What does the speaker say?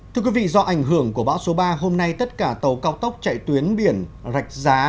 thưa quý vị do ảnh hưởng của bão số ba hôm nay tất cả tàu cao tốc chạy tuyến biển rạch giá